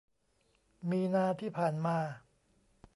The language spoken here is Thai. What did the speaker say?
มีนาที่ผ่านมา